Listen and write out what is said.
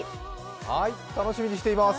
はい、楽しみにしています。